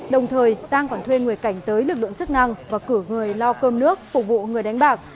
đồng thời giang còn thuê người cảnh giới lực lượng chức năng và cử người lo cơm nước phục vụ người đánh bạc